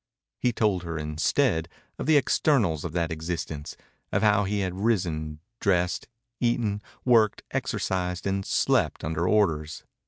He told her, instead, of the externals of that existence, of how he had risen, dressed, eaten, worked, exercised, and slept under orders.